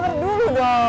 eh santai dulu dong